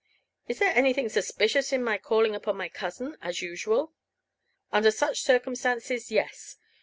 "Is there anything suspicious in my calling upon my cousin as usual?" "Under such circumstances, yes.